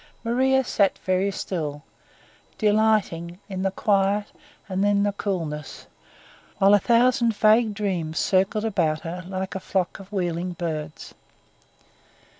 Maria sat very still, delighting in the quiet and the coolness, while a thousand vague dreams circled about her like a flock of wheeling birds.